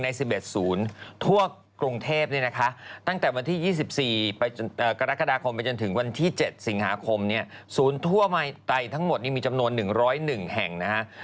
๑ใน๑๑ศูนย์ทั่วกรุงเทพฯตั้งแต่วันที่๒๔กรกฎาคมไปจนถึงวันที่๗สิงหาคมศูนย์ทั่วไทยทั้งหมดมีจำนวน๑๐๑แห่ง